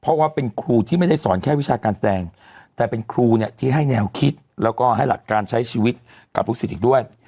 เพราะว่าเป็นครูที่ไม่ได้สอนแค่วิชาการแสดงแต่เป็นครูเนี่ยที่ให้แนวคิดแล้วก็ให้หลักการใช้ชีวิตกับลูกศิษย์อีกด้วย